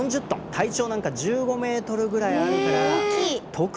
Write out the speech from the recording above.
体長なんか１５ｍぐらいあるから。